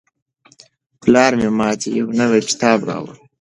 پلار مې ماته یو نوی کتاب راوړ.